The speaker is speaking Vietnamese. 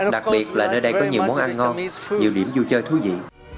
đặc biệt là nơi đây có nhiều món ăn ngon nhiều điểm vui chơi thú vị